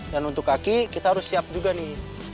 dan untuk kaki kita harus siap juga nih